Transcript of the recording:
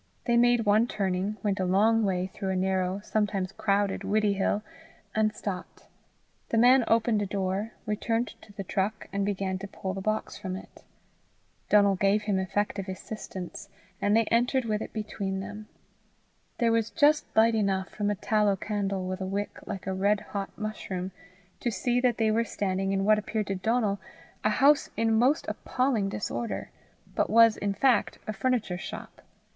They made one turning, went a long way through the narrow, sometimes crowded, Widdiehill, and stopped. The man opened a door, returned to the truck, and began to pull the box from it. Donal gave him effective assistance, and they entered with it between them. There was just light enough from a tallow candle with a wick like a red hot mushroom, to see that they were in what appeared to Donal a house in most appalling disorder, but was in fact a furniture shop.